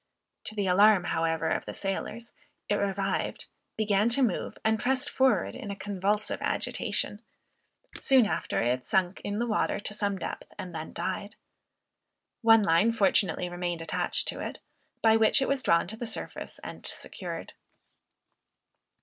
To the alarm, however, of the sailors, it revived, began to move, and pressed forward in a convulsive agitation; soon after it sunk in the water to some depth, and then died. One line fortunately remained attached to it, by which it was drawn to the surface and secured.